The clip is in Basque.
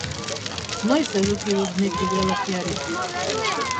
Noiz eduki dut nik ideologiarik?